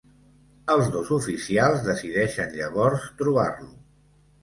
Els dos oficials decideixen llavors trobar-lo.